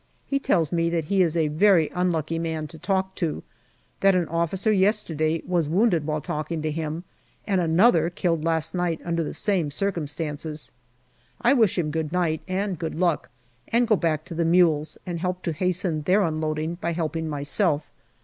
He tells me that he is a very unlucky man to talk to ; that an officer yesterday was wounded while talking to him, and another killed last night under the same circumstances. I wish him " Good night and good luck," and go back to the mules, and help to hasten their unloading by helping myself.